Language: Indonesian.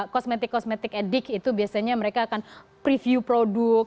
kosmetik kosmetik etik itu biasanya mereka akan preview produk